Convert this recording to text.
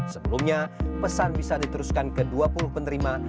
sebelumnya pesan bisa diteruskan ke dua puluh penerima